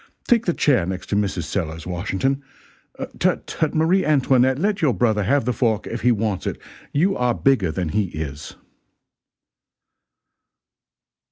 Take the chair next to Mrs. Sellers, Washington tut, tut, Marie Antoinette, let your brother have the fork if he wants it, you are bigger than he is."